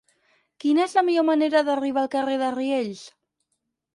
Quina és la millor manera d'arribar al carrer de Riells?